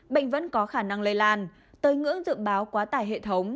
bệnh vẫn có khả năng lây lan tới ngưỡng dự báo quá tải hệ thống